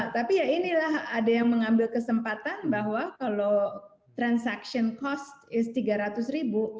tapi ya inilah ada yang mengambil kesempatan bahwa kalau transaction cost is tiga ratus ribu